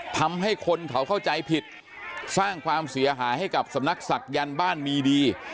ทำให้คนเขาเข้าใจผิดสร้างความเสียหายให้กับสำนักศักยันต์บ้านมีดี